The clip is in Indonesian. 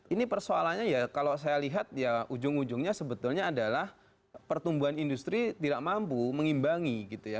ini persoalannya ya kalau saya lihat ya ujung ujungnya sebetulnya adalah pertumbuhan industri tidak mampu mengimbangi gitu ya